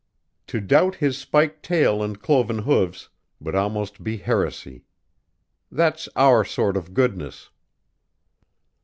To doubt his spiked tail and cloven hoofs, would almost be heresy. That's our sort of goodness."